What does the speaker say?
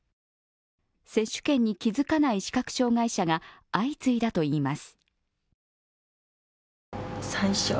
接種券に気づかない視覚障害者が相次いだといいます。